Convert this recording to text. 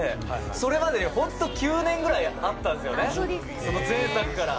それまでに、本当、９年ぐらいあったんですよね、前作から。